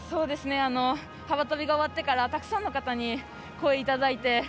幅跳びが終わってからたくさんの方に応援をいただいて。